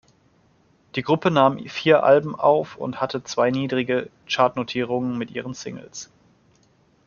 Die Gruppe nahm vier Alben auf und hatte zwei niedrige Chartnotierungen mit ihren Singles.